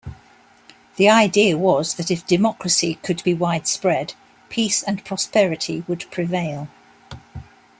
The idea was that if democracy could be widespread peace and prosperity would prevail.